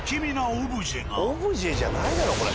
オブジェじゃないだろこれ。